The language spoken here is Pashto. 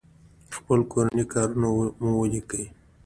خپل کورني کارونه مو وليکئ!